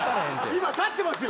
今立ってますよ。